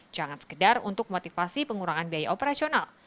jangan sekedar untuk motivasi pengurangan biaya operasional